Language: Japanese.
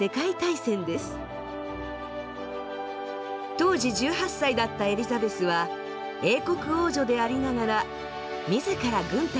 当時１８歳だったエリザベスは英国王女でありながら自ら軍隊に志願。